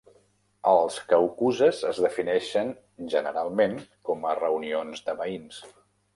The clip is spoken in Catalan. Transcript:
Els "caucuses" es defineixen generalment com a reunions de veïns.